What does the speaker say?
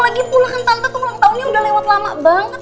lagi pulangkan tante tuh ulang tahunnya udah lewat lama banget